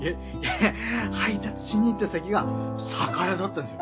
配達しに行った先が酒屋だったんですよ。